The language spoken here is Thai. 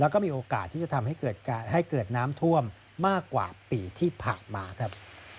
แล้วก็มีโอกาสที่จะทำให้เกิดน้ำท่วมมากกว่าปีที่ผ่านมาครับ